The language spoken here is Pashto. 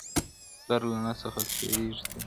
درد له نسل څخه تېرېږي تل,